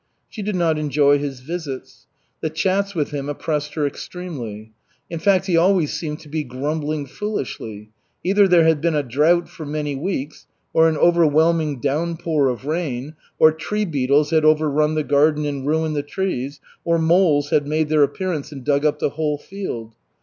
She did not enjoy his visits. The chats with him oppressed her extremely. In fact he always seemed to be grumbling foolishly. Either there had been a drought for many weeks, or an overwhelming downpour of rain, or tree beetles had overrun the garden and ruined the trees, or moles had made their appearance and dug up the whole field.